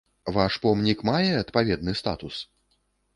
Ваш помнік мае адпаведны статус?